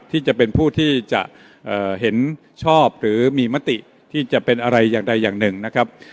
ที่จะเป็นผู้ที่จะเห็นชอบหรือมีมติที่จะเป็นอะไรอย่างใดอย่างหนึ่งนะครับ